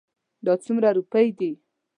دا څومره روپی دي؟